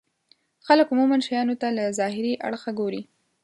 خلک عموما شيانو ته له ظاهري اړخه ګوري.